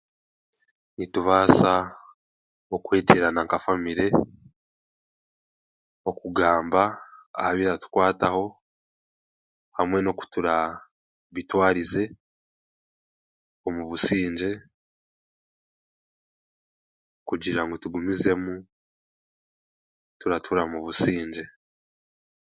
Nitubaasa okweteerana nka famire okugamba aha biratukwataho hamwe n'oku turaabitwarize omu busigye kugira ngu tugumizemu turatuura mubusingye.